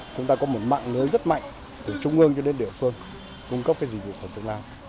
chúng ta có một mạng lưới rất mạnh từ trung ương cho đến địa phương cung cấp dịch vụ phòng chống lao